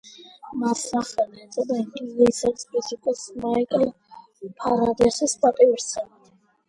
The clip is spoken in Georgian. მას სახელი ეწოდა ინგლისელი ფიზიკოსის მაიკლ ფარადეის პატივსაცემად.